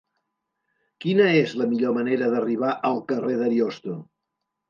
Quina és la millor manera d'arribar al carrer d'Ariosto?